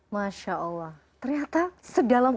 masya allah ternyata sedalam